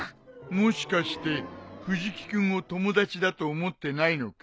もしかして藤木君を友達だと思ってないのかい？